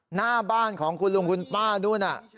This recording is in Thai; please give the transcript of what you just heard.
หน้าบ้านของคุณลุงคุณป้านู้น